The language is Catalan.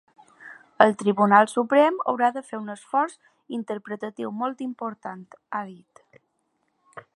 El Tribunal Suprem haurà de fer un esforç interpretatiu molt important, ha dit.